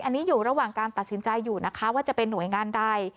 อันนี้อยู่ระหว่างการตัดสินใจอยู่นะคะว่าจะเป็นหน่วยงานใด